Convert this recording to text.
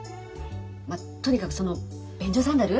まとにかくその便所サンダル？